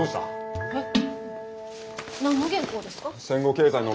えっ？